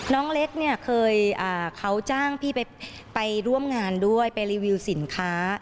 น้องเล็กเนี่ยเคยเขาจ้างพี่ไปร่วมงานด้วยไปรีวิวสินค้า